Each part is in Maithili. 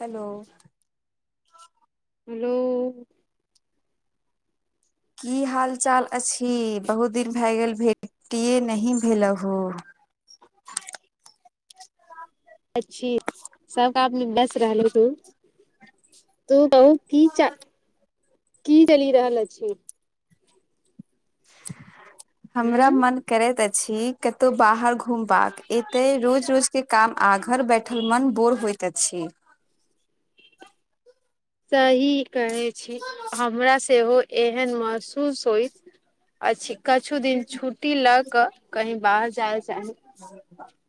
हेलो हेलो की हाल चाल अछि बहुत दिन भए गेल भेटिये नहि भेल हो अच्छी सब काममे ब्यस्त रहलु हु तू कहु की चल की चलि रहल अछि हमरा हूँ मन करैत अछि कतौ बाहर घुमबाक एतै रोज रोज के काम आ घर बैठल मन बोर होइत अछि सही कहै छी हमरा सेहो एहन महसूस होइत अछि कछु दिन छुट्टी लऽ कऽ कहीं बाहर जाय चाही [inaudible]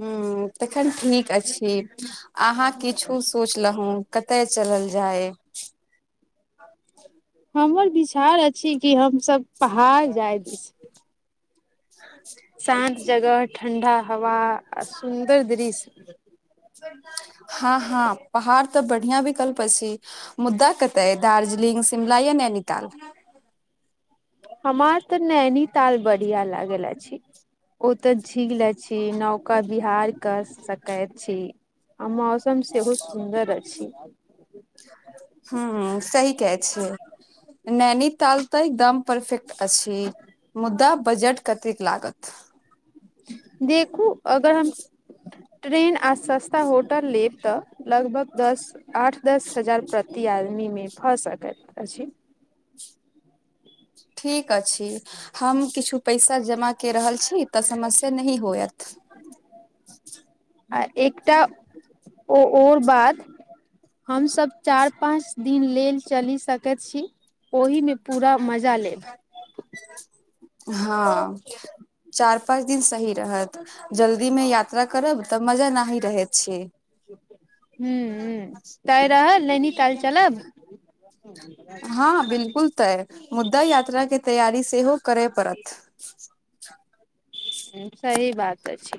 हुँ तखन ठीक अछि अहाँ किछु सोचलहुँ कतए चलल जाय हमर विचार अछि कि हमसब पहाड़ जाय दिस शान्त जगह ठण्डा हवा आ सुन्दर दृश्य हँ हँ पहाड़ तऽ बढ़ियाँ विकल्प अछि- मुद्दा कतय दार्जलिंग शिमला या नैनीताल हमार तऽ नैनीताल बढ़िया लागल अछि ओतऽ झील अछि नौका बिहार कर सकैत छी आ मौसम सेहो सुन्दर अछि। हुँ हुँ सही कहै छियै नैनीताल तऽ एकदम परफेक्ट अछि मुदा बजट कतेक लागत देखू अगर हम ट्रेन आ सस्ता होटल लेब तऽ लगभग दस आठ दस हजार प्रति आदमीमे भऽ सकैत अछि ठीक अछी हम किछु पैसा जमा के रहल छी तऽ समस्या नही होयत आ एकटा ओ ओर बाथ हमसब चारि पाँच दिन लेल चलि सकैत छी ओहि मे पूरा मजा लेब हँ चार पाँच दिन सही रहत जल्दी मे यात्रा करब तऽ मजा ना ही रहैत छै हूँ त रहल नैनी काल चलब हँ हँ बिल्कुल तयऽ मुद्दा यात्रा के तैयारी सेहो करै पड़त हूँ सही बात अछी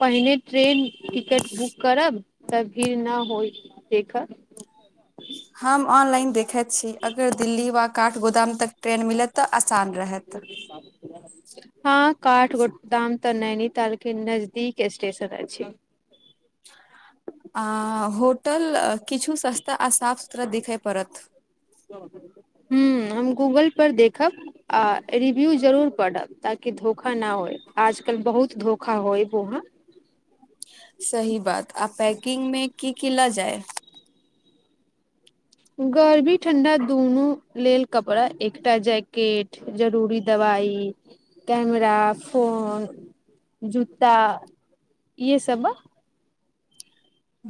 पहिने ट्रेन टिकट बुक करब तऽ भीड़ न होइ ठ ह [unintelligible] हम ऑनलाइन देखैत छी अगर दिल्ली वा काठ गोदाम तक ट्रेन मिलत तऽ आसान रेहत हँ काठ गोडाम तऽ नैनीताल के नजदीक स्टेशन अछि अ होटल किछु सस्ता आ साफ सुथरा दिखय पड़त हूँ हम गूगल पर देखब आ रिव्यू जरूर पड़ब ताकि धोखा ना होय आजकल बहुत धोखा होयब वहाँ सही बात आ पैकिंग मे की की ल जाय गर्बी ठण्डा दूनू लेल कपड़ा एकटा जैकेट जरूरी दवाई कैमरा फोन जू्ता इए सब ब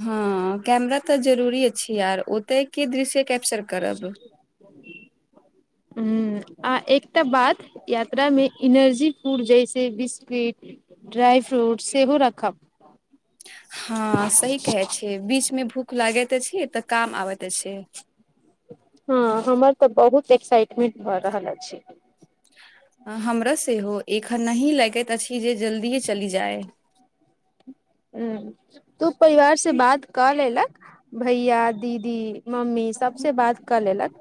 हँ कैमरा तऽ जरुरी छी आर ओतै की दृश्य कैप्चर करब [inaudible] हूँ आ एकटा बाद यात्रा मे एनर्जी फूड जैसे बिस्किट ड्राई फ्रूट् सेहो रखब हँ सही कहै छी बीच मे भूख लागैत छी तऽ काम आबैत छै हँ हमर तऽ बहुत एक्साइटमेंट भऽ रहल अछि हमरा सेहो एखन नाहि लगैत अछि जे जल्दिए चली जाय हूँ तू परिवार से बात कऽ लेलक भैया दीदी मम्मी सबसे बात कऽ लेलक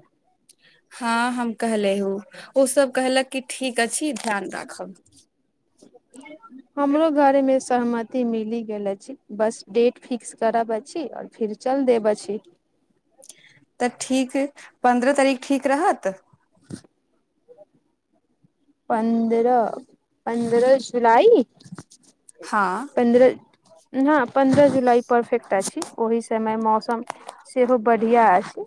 [inaudible] हँ हम कहलेहूँ ओ सब कहलक की ठीक अछि ध्यान राखब ह [unintelligible] हमरो घर मे सहमति मिली गेल अछि बस डेट फिक्स करब अछी आओर फिर चल देब अछी तऽ ठीक पन्द्रह तारीख ठीक रहत [inaudible] पन्द्रह पन्द्रह जुलाई हँ पन्द्रह हँ पन्द्रह जुलाई परफेक्ट अछि ओहि समय मौसम सेहो बढ़िया अछि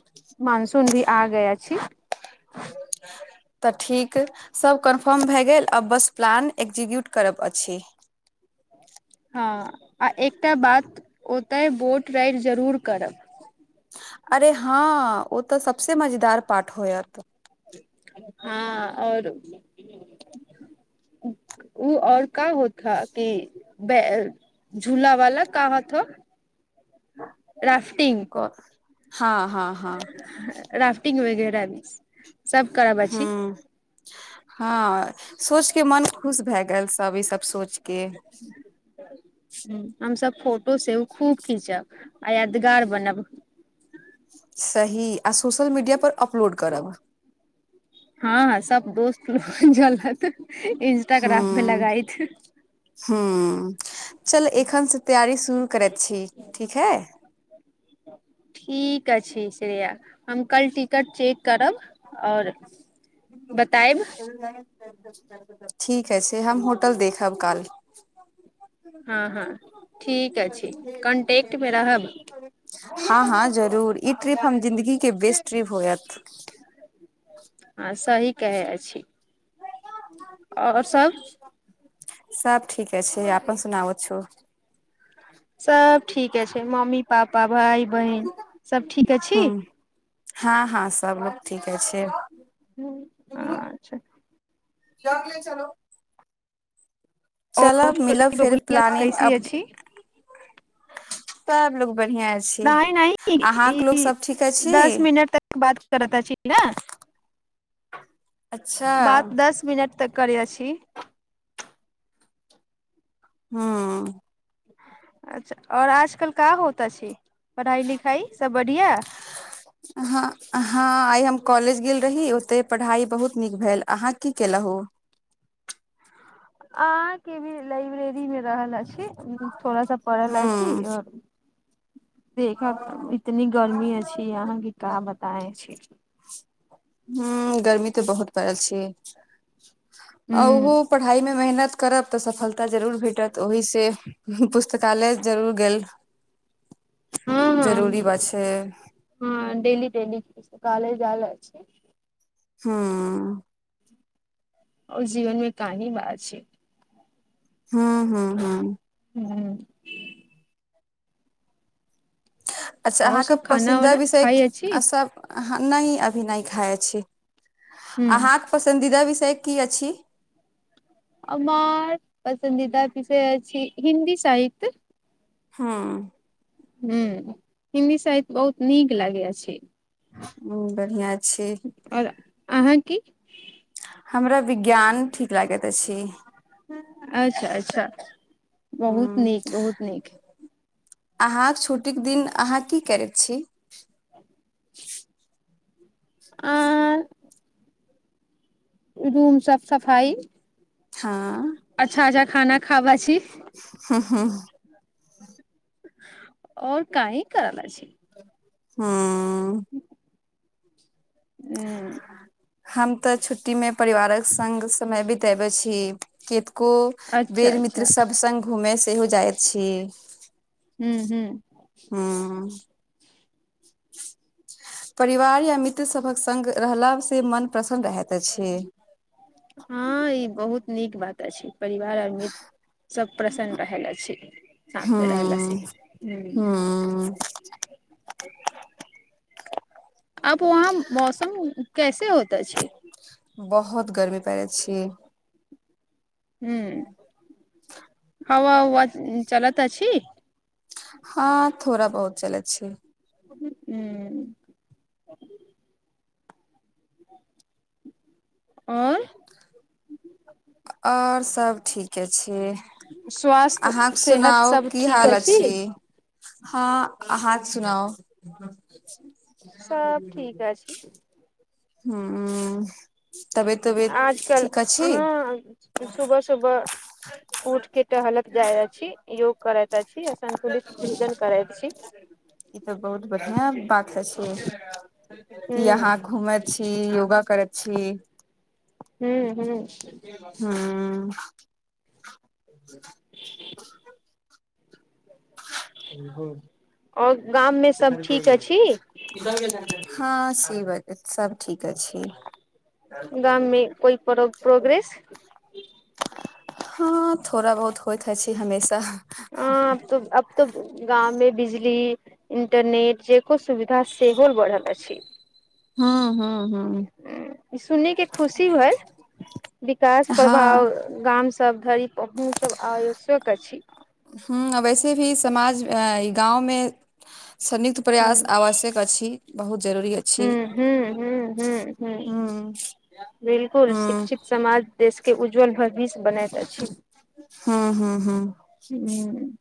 मानसून भी आ गया अछि आ [unintelligible] तऽ ठीक सब कन्फर्म भए गेल आ बस प्लान एक्जीक्यूट करब अछि हँ आ एकटा बात ओतय बोट राइड जरूर करब अरे हाँ ओ तऽ सबसे मजेदार पाठ होयत हँ ओर [inaudible] ऊ और का होथा कि बेर झूला वाला का होत हो राफटिंग हँ हँ हँ राफ्टिंग वगैर भी सब का बझी हँ सोच के मन खुश भए गेल सब ई सब सोच के [inaudible] ह हमस फोटो सेहो खूब खींचब आ यादगार बनैब सही आ सोशल मीडिया पर अपलोड करब हँ सब दोस्त जलत इंस्टाग्राम पे लगाइत ह चल एखन से तैयारी शुरू करैत छी ठीक है [inaudible] ठीक अछि श्रेया हम कल टिकट चेक करब ओर [inaudible] ठीक है से हम होटल देखब काल हँ हँ ठीक अछि कॉन्टेकक्ट मे रहब हँ हँ जरूर ई ट्रिप हम जिंन्दगी के बेस्ट ट्रिप होयत आँ सही कहै अछि ओर सब सब ठीके छै आपन सुनावो छू सब ठीके छै मम्मी पापा भाइ बहिन सब ठीके छै ह् हँ हँ सब लोक ठीके छैय आच्छा [unintelligible] चलो चल आओर मिलब छोटकी फेर बबुलिया प्लानिंग कैसी अपडे अछि सब लोग बढ़िया ऐछ नाहि नहि ई अछि दस मिनट तक बात करता अछि न अच्छा बात दस मिनट तक करै अछि हूँ अच्छा और आजकल का होता अछि पढ़ाई लिखाई सब बढ़िया हा हँ आइ हम कॉलेज गेल रही ओते पढ़ाई बहुत नीक भेल अहाँ की केलहु अहाँके भी लाइब्रेरी मे रहल अछि थोड़ा सा पढ़ल अछी हूँ ओर देखा इतनी गर्मी अछि यहाँके की का बताए अछि ह गर्मी तऽ बहुत पड़ल छै आ ओहो हूँ पढ़ाई मे मेहनत करब तऽ सफलता जरूर भेटत ओहि से पुस्तकालय जरूर गेल हँ हँ जरूरी बाछै हँ डेली डेली पुस्तकालय जाएल अछि हऽ ओर जीवन मे कानी बा अछि हँ हँ हँ हूँ अच्छा और अहाँके सब खाना पंसीदा वाना विषय खाइ अछि सब नहि अभी नहि खाइ छी हूँ अहाँके पसन्दीदा विषय की अछि हमर पसन्दीदा विषय अछि हिन्दी सहित्य हूं हू हिन्दी साहित्य बहुत नीक लागै अछि हूं बढ़िआँ छै आओर अहाँ की हमरा विज्ञान ठीक लागति अछि अच्छा अच्छा बहुत हँ नीक बहुत नीक अहाँक छुट्टीक दिन अहाँ की करै छी [unintelligible] आ ह रूम साफ सफाइ हां अच्छा अच्छा खाना खावै छी हूं हूं आओर कहि कयले छी हँ हूँ हम तऽ छुट्टी मे परिवारक संग समय बी ताबै छी केतको अच्छा बेर मित्र अच्छा सब संग घूमे सेहो जायत छी हूं हूं हूं परिवार या सबक संग रहला से मन प्रसन्न रहति अछि हँ ई बहुत नीक बात अछि परिवार आओर मित्र सब प्रसन्न रहलऽ अछि साथ मे रहलाऽ से हँ हूं हँ अब वहाँ मौसम कैसे होता छै बहुत गर्मी पारति छी हूं हवा उवा चलत अछि हँ थोड़ा बहुत चलै छै उं आओर आओर सब ठीके छी स्वास्थ्य अहाँक सेहत सुनाउ सब की ठीक हाल अछि हँ अहांक सुनाउ सब ठीक अछि हूं तबियत उबियत आजकल ठीक अछि अहाँ सुबह सुबह उठ के टहलत जाय अछि योग करति अछि असन्तुलित भोजन करै छी ई तऽ बहुत बढ़िया बात अछि कि हूँ यहाँ घूमे छी योगा करति छी हूँ हूं हूं त ब आओर गाम मे सब ठीक अछि हँ से बात सब ठीक अछि गाम मे कोइ तरहक प्रोग्रेस हँ थोड़ा बहुत होइथ अछी हमेशा हँ अब तो अब त गाँव मे बिजली इंटरनेट जे कुछ सुविधा सेहो बढ़ल अछि हूँ हूँ हूँ सुनी के खुशी भलइ विकास ह प्रभाव हँ गाम सब धरि पहुँचब आयोशक छी हूँ ऐसे भी समाज गाँव मे संयुक्त प्रयास आवश्यक अछी बहुत जरूरी अ हूँ हूँ हूँ हूँ हूँ बिल्कुल हूँ शिक्षित समाज देश के उज्ज्वल भविष्य बनैत अछि हूँ हूँ हूँ हूँ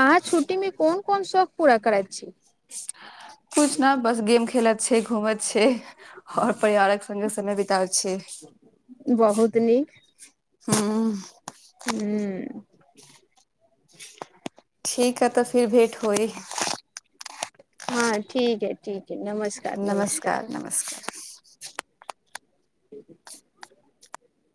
आहाँ छुट्टी मे कोन कोन शौक पूरा करैत छी कुछ न बस गेम खेलत छै घूमत छै आओर परियारक संगे समय बितबैत छै बहुत नीक हूँ हूँ ठीक है तऽ फिर भेंट होइ हँ ठीक है ठीक है नमस्कार नमस्कार [inaudible] ठ ह [unintelligible]